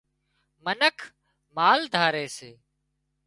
منک مال ڌاري سي